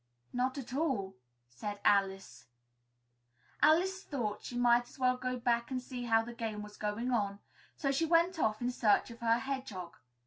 "Not at all," said Alice. Alice thought she might as well go back and see how the game was going on. So she went off in search of her hedgehog.